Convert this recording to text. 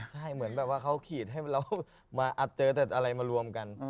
ใช่เหมือนแบบว่าเขาขีดให้เรามาอัดเจอแต่อะไรมารวมกัน